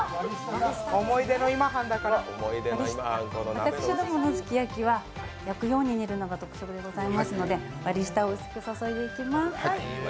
私どものすき焼は焼くように煮るのが特徴ですので、割り下を薄く注いでいきます。